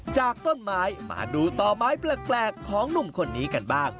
จากต้นไม้มาดูต่อไม้แปลกของหนุ่มคนนี้กันบ้าง